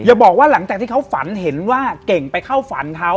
บอกว่าหลังจากที่เขาฝันเห็นว่าเก่งไปเข้าฝันเขา